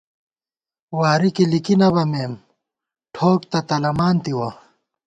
واری کی لِکی نہ بَمېم، ٹھوک تہ تلَمان تِوَہ